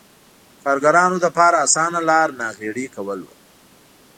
کارګرانو لپاره اسانه لار ناغېړي کول و.